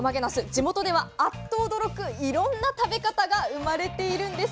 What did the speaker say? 地元ではあっと驚くいろんな食べ方が生まれているんです。